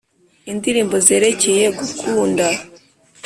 indirimbo zerekeye gukunda